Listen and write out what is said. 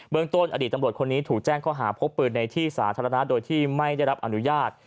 ต้นอดีตตำรวจคนนี้ถูกแจ้งข้อหาพกปืนในที่สาธารณะโดยที่ไม่ได้รับอนุญาต